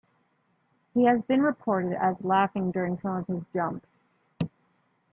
He has been reported as laughing during some of his jumps.